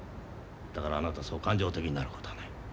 だからあなたはそう感情的になることはない。